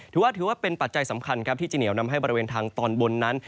ถือว่าเป็นปัจจัยสำคัญครับที่จะเหนียวนำให้บริเวณทางตอนบนนั้น